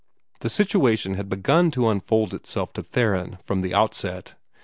The situation had begun to unfold itself to Theron from the outset.